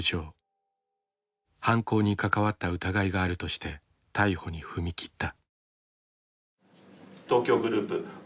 犯行に関わった疑いがあるとして逮捕に踏み切った。